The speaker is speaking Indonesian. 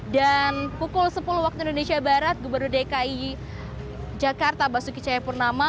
dan pukul sepuluh waktu indonesia barat gubernur dki jakarta basuki cahayapurnama